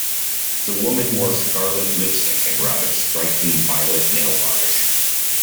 The woman wore scarlet lipstick and rather striking violet nail varnish